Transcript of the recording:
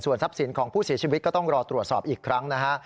ทรัพย์สินของผู้เสียชีวิตก็ต้องรอตรวจสอบอีกครั้งนะฮะ